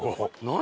何？